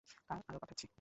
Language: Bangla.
কাল আরো পাঠাচ্ছি।